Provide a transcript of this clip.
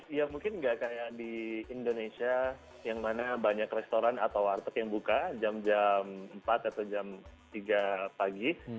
iya mungkin nggak kayak di indonesia yang mana banyak restoran atau warteg yang buka jam jam empat atau jam tiga pagi